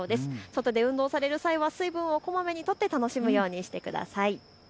外で運動する際には水分をこまめにとって楽しむようにしてください。